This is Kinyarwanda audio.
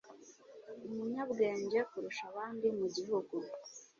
Umunyabwenge kurusha abandi mu gihugu